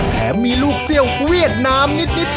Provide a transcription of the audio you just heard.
แถมมีลูกเหรี่ยวเวียดน้ำนิด